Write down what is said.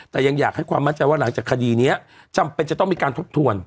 แต่ยังอยากให้ความมั่นใจว่าหลังจากคดีนี้จำเป็นจะต้องมีการทบทวน